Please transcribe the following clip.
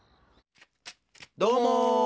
どうも。